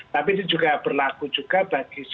tapi ini juga berlaku juga bagi siapa yang